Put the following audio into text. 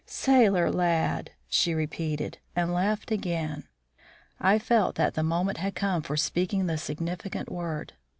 "Sailor lad!" she repeated, and laughed again. I felt that the moment had come for speaking the significant word.